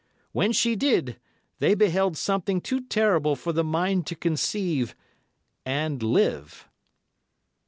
When she did, they beheld something too terrible for the mind to conceive—and live.